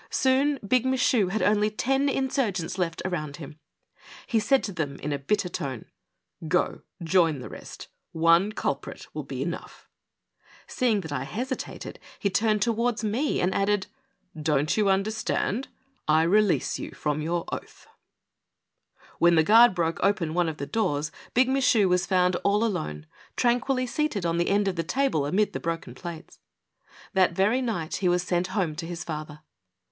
Soon Big Michu had only ten insurgents left around him. He said to them, in a bitter tone : Go join the rest; one culprit will be enough I " Seeing that I hesitated he turned towards me and added :'' Don't you understand ? I release you from yovz; oath I " When the guard broke open one of the dooi : j M ichu was found all alone, tranquilly seated ' ^1 o 3} :l BIG MICHU. 319 of tlie table amid tbe broken plates. That very night he was sent home to his father.